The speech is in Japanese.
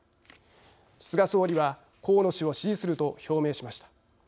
菅総理は河野氏を支持すると表明しました。